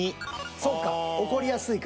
そうか怒りやすいか。